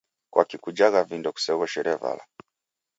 Kwaki kujagha vindo kuseoghoshere vala?